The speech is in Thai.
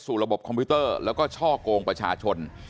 ระบบคอมพิวเตอร์แล้วก็ช่อกงประชาชน